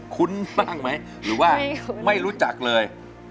คุ้นบ้างไหมหรือว่าไม่รู้จักเลย